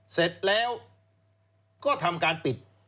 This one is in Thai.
เสร็จแล้วก็ทำการปิด